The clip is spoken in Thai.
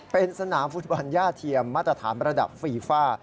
เป็นสนามฟุตบอลย่าเทียมมาตรฐานระดับฟีฟ่า